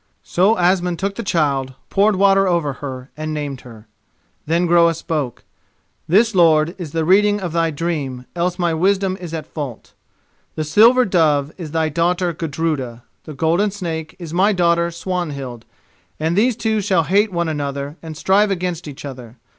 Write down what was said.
So Asmund took the child, poured water over her, and named her. Then Groa spoke: "This lord, is the reading of thy dream, else my wisdom is at fault: The silver dove is thy daughter Gudruda, the golden snake is my daughter Swanhild, and these two shall hate one the other and strive against each other.